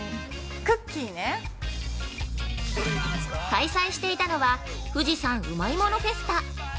◆開催していたのは富士山うまいものフェスタ。